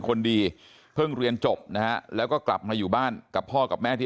คนดีเพิ่งเรียนจบนะฮะแล้วก็กลับมาอยู่บ้านกับพ่อกับแม่ที่